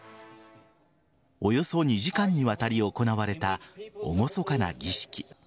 およそ２時間にわたり行われた厳かな儀式。